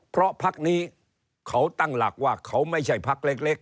เพราะพักนี้เขาตั้งหลักว่าเขาไม่ใช่พักเล็ก